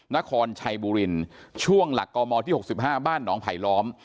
นครชัยบุรีช่วงหลักกมที่๖๕บ้านหนองไผลล้อม